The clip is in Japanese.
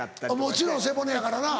もちろん背骨やからな。